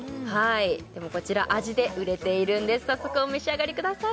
こちら味で売れているんです早速お召し上がりください